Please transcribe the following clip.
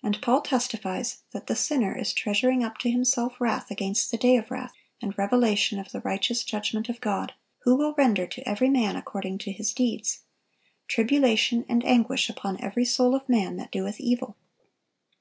(945) And Paul testifies that the sinner is treasuring up unto himself "wrath against the day of wrath and revelation of the righteous judgment of God, who will render to every man according to his deeds;" "tribulation and anguish upon every soul of man that doeth evil."